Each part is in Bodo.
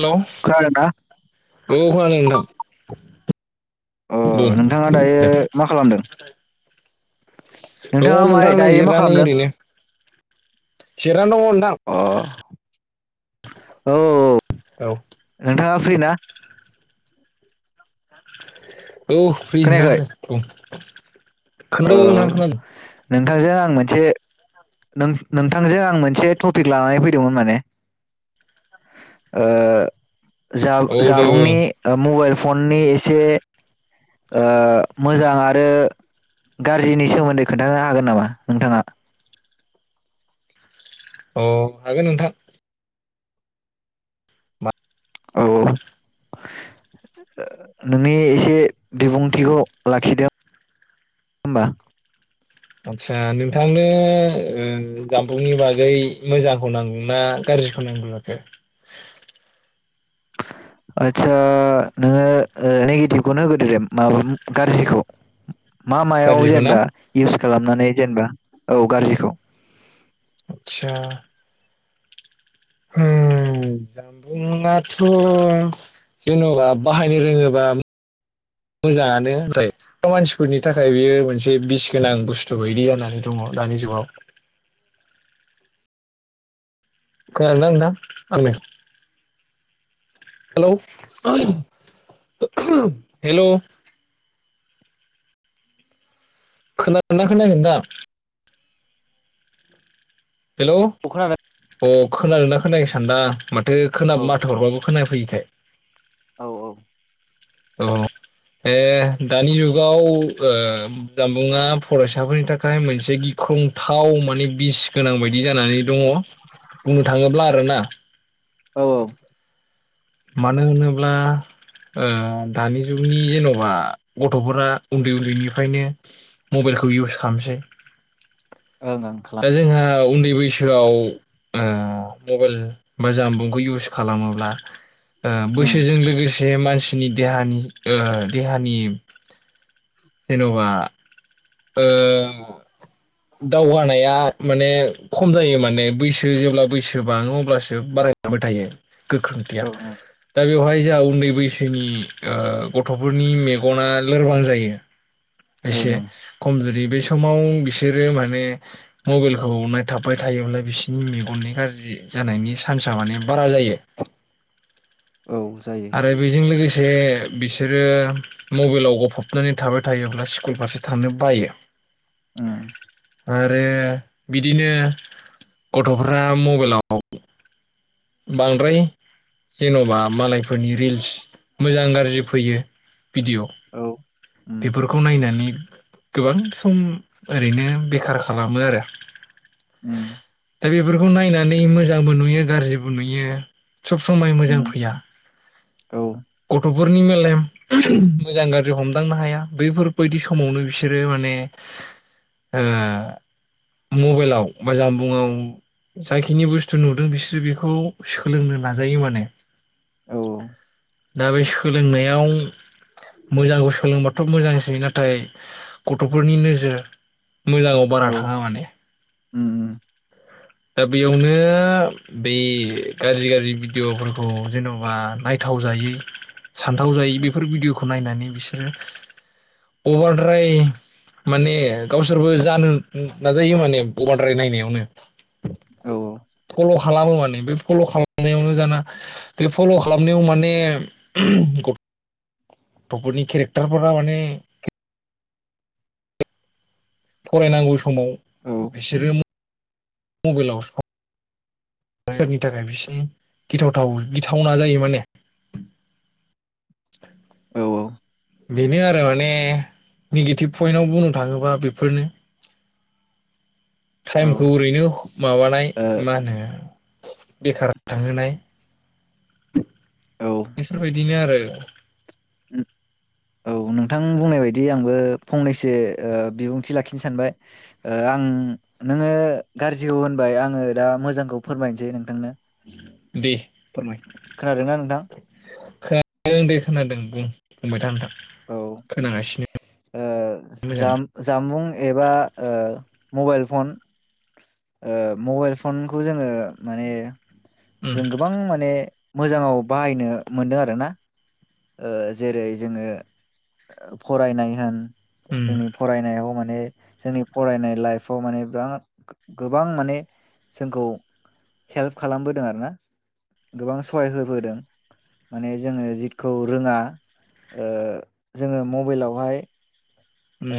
हेलौ खोनादों ना? औ आं दं। अ बुं नोंथाङा दायो दे। दङ मा खालामदों? नोंथाङा मा नोंथां नै दायो मा जिरायनानै खालामदों? ओरैनो। जिरनानै दङ नोंथां अ औ-औ-औ औ नोंथाङा फ्रि ना? औ फ्रि नोंथां औ ओ नोंथांजों आं मोनसे नों-नोंथांजों आं मोनसे टपिक लानानै फैदोंमोन आं माने। ओ औ दे बुं जा-जाबुंनि ओ मबाइल फननि एसे ओ मोजां आरो गारजिनि सोमोन्दै खोन्थानो हागोन नामा नोंथाङा? औ हागोन नोंथां। औ औ ओ नोंनि एसे बिबुंथिखौ लाखिदो होमबा। आदसा नोंथांनो ओ जामबुंनि बागै मोजांखौ नांगौना गारजिखौ होननांगौ जाखो? [inaudible] आदसा नोङो ओ निगेटिव खौनो होग्रोदोदे माबा गारजिखौ। मा मायाव गाज्रिखौ ना जेनेबा इउस खालामनानै जेनेबा औ गारजिखौ। आतसा हम जामबुंआथ' जेन'बा बाहायनो रोङोबा मोजाङानो होनलाय। थ' मानसिफोरनि थाखाय बियो मोनसे बिस गोनां बुस्थु बायदि जानानै दङ दानि जुगाव। खोनादोंना नोंथां ओं नै हेलौ हेलौ खोनादों ना खोनायाखै नोथां? हेलौ औ खोनादों। अ खोनादों ना खोनायाखै सानदां माथो खोना औ माथोहरबाबो खोनाफैयिखाय। औ औ ए दानि जुगाव ओ जानबुङा फरायसाफोरनि थाखाय मोनसे गि ख्रंथाव माने बिस गोनां बायदि जानानै दङ बुंनो थाङोब्ला आरोना। औ ओं मानो होनोब्ला? ओ दानि जुगनि जेन'बा गथ'फोरा उन्दै उन्दैनिफ्रायनो मबाइलखौ इउस खालामसै। ओं ओं दा खालाम जोंहा उन्दै बै सोआव ओ मबाइल बा जामबुंखौ इउस खालामोब्ला ओ ओं बैसोजों लोगोसे मानसिनि देहानि ओ देहानि जेन'बा ओ दावगानाया माने खम जायो माने बैसो जेब्ला बैसो बाङो अब्लासो बाराय लांबाय थायो गोख्रोंथिया। औ ओं दा बेवहाय जोंहा उन्दै बैसोनि ओ गथ'फोरनि मेगना लोरबां जायो। एसे ओं खमजुरि बेै समाव बिसोरो माने मबाइलखौ नायथाबबाय थायोब्ला बिसोरनि मेगननि गाज्रि जानायनि चान्सा माने बारा जायो। औ जायो। बेजों लोगोसे बिसोरो मबाइलाव गबफबनानै थाबाय थायोब्ला स्कुल फारसे थांनो बायो। ओम आरो बिदिनो गथ'फ्रा मबाइलाव बांद्राय जेन'बा मालायफोरनि रिल्स मोजां गाज्रि फैयो। भिदिअ औ ओम बेफोरखौ नायनानै गोबां सम ओरैनो बेखार खालामो आरो। उम दा बेफोरखौ नायनानै मोजांबो नुयो गाज्रिबो नुयो सब समाय मोजां ओम फैया। औ गथ'फोरनि मेलेम मोजां गाज्रि हमदांनो हाया बैफोरबायदि समावनो बिसोरो माने [inaudible] ओ मबाइलाव बा जामबुङाव जायखिनि बुस्थु नुदों बिसोरो बेखौ सोलोंनो नाजायो माने। औ औ। दा बै सोलोंनायाव मोजांखौ सोलोंबाथ' मोजांसै नाथाय गथ'फोरनि नोजोर मोजाङाव बारा थाङा माने। उम उम। दा बेयावनो। बे गाज्रि गाज्रि भिडिअ'फोरखौ जेन'बा नायथाव जायै सानथाव जायै बेफोर भिडिय'खौ नायनानै बिसोरो अभारद्राय माने गावसोरबो जानो नाजायो माने अफारद्राय नायनायावनो। औ औ। फल' खालामो माने बे फल' खालामनायावनो जाना बे फल' खालामनायाव माने गथ'फोरनि केरेक्टारफोरा माने फरायनांगौ समाव औ बिसोरो मबाइलाव स [inaudible] थाखाय बिसिनि गिथावथाव गिथावना जायो माने। औ औ। बेनो आरो माने निगेटिभ पइन्टाव बुंनो थाङोबा बेफोरनो‌। औ टाइमखौ ओरैनो माबानाय मा होनो बेखार थांहोनाय। औ बेफोरबायदिनो आरो। औ नोंथां बुंनाय बायदि आंबो फंनैसो ओ बिबुंथि लाखिनो सानबाय। ओ आं नोङो गाज्रिखौ होनबाय आङो दा मोजांखौ फोरमायनोसै नोंथांनो। दे फोरमाय। खोनादों ना नोंथां? खोनादों दे खोनादों बुं बुंबाय था नोंथां औ खोनागासिनो। ओ मोजाङै जाम जामबुं एबा ओ मबाइल फन ओ मबाइल फनखौ जोङो माने जों गो बां माने मोजाङाव बाहायनो मोनदों आरो ना। ओ जेरै जोङो ओ फरायनाय होन उम जोंनि फरायनायाव माने जोंनि फरायनाय लाइफआव माने बिराद गो-गोबां माने जोंखौ हेल्प खालामबोदों आरोना गोबां सहाय होबोदों माने जोङो जि खौ रोङा ओ जोङो मबाइलावहाय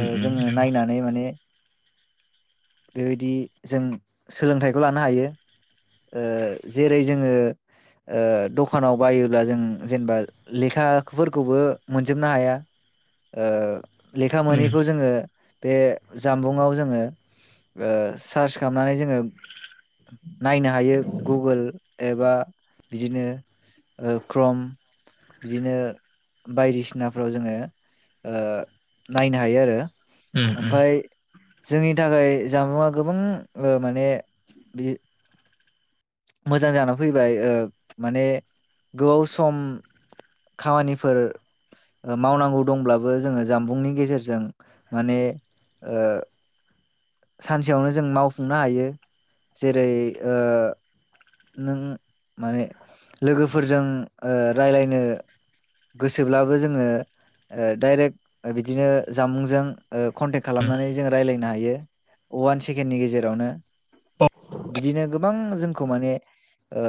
ओ उम जोङो उम नंगौ नायनानै माने बेबायदि जों सोलोंथाइखौ लानो हायो ओ जेरै जोङो ओ दखानाव बायोब्ला जों जेनबा लेखाफोरखौबो मोनजोबनो हाया। ओ लेखा मोनैखौ जोङो बे जामबुंआव जोङो ओ सार्च खामनानै जोङो नायनो हायो गुगोल एबा बिदिनो ओ क्रम बिदिनो बायदिसिनाफ्राव जोङो ओ नायनो हायो आरो उम उम ओमफाय जोंनि थाखाय जामुआ गोबां ओ माने बि मोजां जाना फैबाय ओ माने गोबाव सम खामानिफोर ओ मावनांगौ दंब्लाबो जोङो जामबुंनि गेजेरजों माने ओ सानसेयावनो जों मावफुंनो हायो जेरै ओ नों माने लोगोफोरजों ओ रायलायनो गोसोब्लाबो जोङो ओ डाइरेक ओ बिदिनो जामुंजों ओ कन्टेक खालामनानै जोङो रायलायनो हायो। अवान सेकेन्डनि गेजेरावनो बिदिनो गोबां जोंखौ माने ओ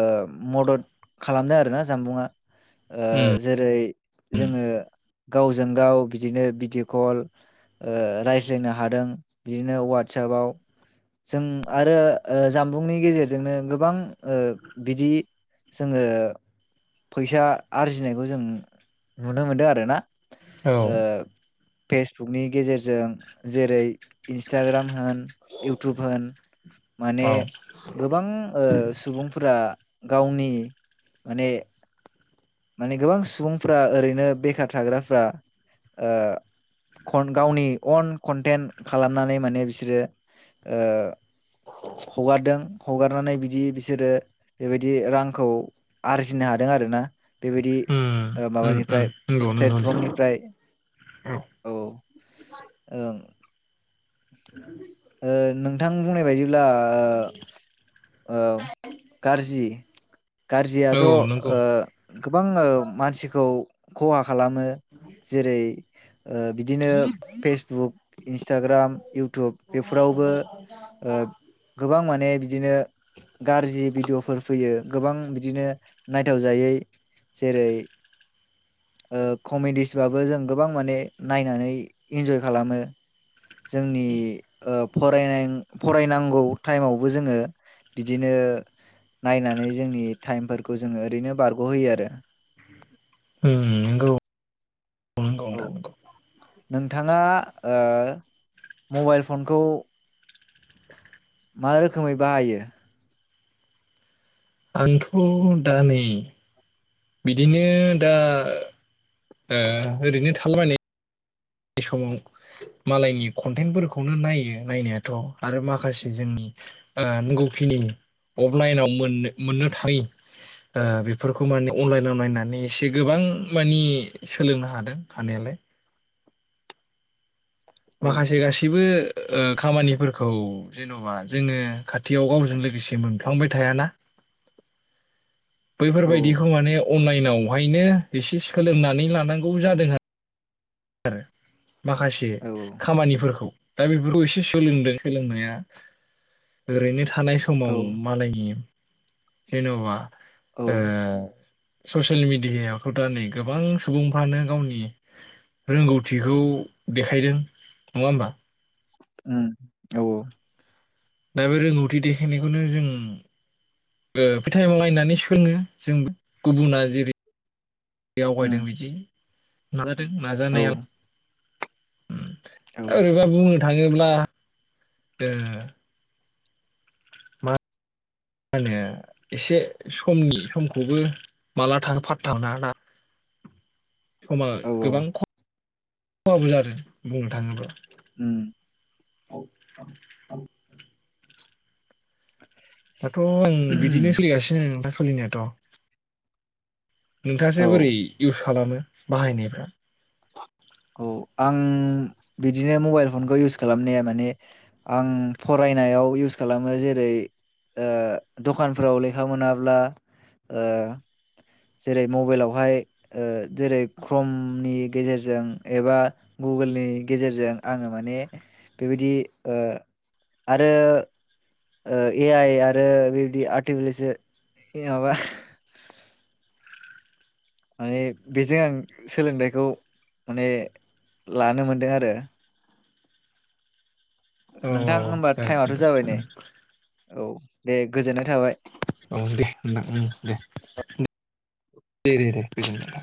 मदद खालामदों आरोना जामबुंङा। ओ उम जेरै उम जोङो गावजों गाव बिदिनो भिडिअ कल ओ रायज्लायनो हादों बिदिनो वाटसापआव। जों आरो ओ जामबुंनि गेजेरजोंनो गोबां ओ बिदि जोङो फैसा आरजिनायखौ जों नुनो मोनदों आरो ना। ओ औ फेसबुकनि गेजेरजों जेरै इन्सटाग्राम होन इउतुबहोन माने औ गोबां ओ सुबुंफोरा गावनि माने माने गोबां सुबुंफ्रा ओरैनो बेखार थाग्राफ्रा ओ खन गावनि अन कन्टेन्ट खालामनानै माने बिसोरो ओ हगारदों हगारनानै बिदि बिसोरो बेबायदि रांखौ आरजिनो हादों आरो ना बेबायदि। उम ओ उम उम माबानिफ्राय नंगौ नंगौ नोंथां प्लेटफ्रमनिफ्राय। औ ओं। ओ नोंथां बुंनाय बायदिब्ला ओ ओम गारजि गारजियाथ' ओ औ नंगौ गोबां ओ मानसिखौ खहा खालामो। जेरै ओ बिदिनो फेसबुक इन्सटाग्राम इउटुब बेफोरावबो ओ गोबां माने बिदिनो गारजि भिडिअफोर फैयो गोबां बिदिनो नायथावजायै जेरै ओ कमेडिसबाबो जों गोबां माने नायनानै इनजय खालामो। जोंनि ओ फरायनाय फरायनांगौ टाइमावबो जोङो बिदिनो नायनानै जोंनि टाइमफोरखौ जोङो ओरैनो बारग'होयो आरो ओं नोंगौ। औ नोंथां नोंगौ। नोंथाङा ओ मबाइल फनखौ मा रोखोमै बाहायो? आंथ' दा नै बिदिनो दा ओ ओरैनो थालाबायनाय बे समाव मालायनि कन्टेन्टफोरखौनो नायो नायनायाथ' आरो माखासे जोंनि ओ नांगौखिनि अफलाइनाव मोननो थाङि ओ बेफोरखौ माने अनलाइनाव नायनानै एसे गोबां मानि सोलोंनो हादों हायालाय औ माखासे गासिबो ओ खामानिफोरखौ जेन'बा जोङो खाथियाव गावजों लोगोसे मोनफ्लांबाय थायाना औ बैफोरबायदिखौ माने अनलाइनावहायनो एसे सोलोंनानै लानांगौ जादों आरो आरो माखासे औ खामानिफोरखौ दा बेफोरखौ एसे सोलोंदों सोलोंनाया ओरैनो थानाय स समाव औ मालायनि जेन'बा औ ओ ससियेल मिडियाायावथ' दा नै गोबां सुबुंफ्रानो गावनि रोंगौथिखौ देखायदों नङा होमबा ओम औ-औ दा बे रोंगौथि देखायनायखौनो जों ओ फिथाइ नायनानै सोङो जों गुबुना जेरै आवगायदों उम बिदि नाजादों औ नाजानाया ओम औ ओरैबाबो बुंनो थाङोब्ला ओ मा होनो एसे समनि समखौबो माला थांङो फाथा मोना ना [inaudible] समा औ गोबां औ [unintelligible] खहाबो जादों बुंनो थाङोब्ला ओम [inaudible] [inaudible] दाथ' आं बिदिनो उम सोलिगासिनो सोलिनायाथ' औ नोंथासो बोरै इउस खालामो बाहायनायफ्रा औ आं बिदिनो मबाइल फनखौ इउस खालामनाया माने आं फरायनायाव इउस खालामो जेरै ओ दखानफ्राव लेखा मोनाब्ला ओ जेरै मबाइलावहाय ओ जेरै क्रमनि गेजेरजों एबा गुग्गोलनि गेजेरजों आङो माने बेबायदि ओ आरो ओ ए आइ आरो बेबायदि आरटिफिसियेल ओ माबा माने बेजों आं सोलोंथाइखौ माने लानो मोनदों आरो औ नोंथां औ होमबा टाइमाथ' जागोन जाबाय नै नोंथां औ दे गोजोननाय थाबाय ओ दे नोंथां ओम दे-दे-दे-दे